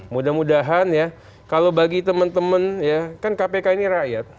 mudah mudahan ya kalau bagi teman teman ya kan kpk ini rakyat